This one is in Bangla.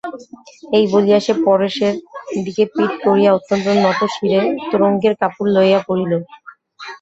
এই বলিয়া সে পরেশের দিকে পিঠ করিয়া অত্যন্ত নতশিরে তোরঙ্গের কাপড় লইয়া পড়িল।